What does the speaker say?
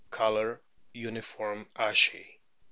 Colour uniform ashy.